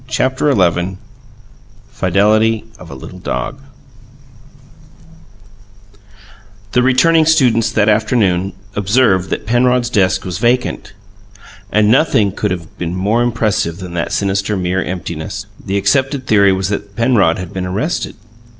CHAPTER XI FIDELITY OF A LITTLE DOG The returning students, that afternoon, observed that Penrod's desk was vacant and nothing could have been more impressive than that sinister mere emptiness. The accepted theory was that Penrod had been arrested.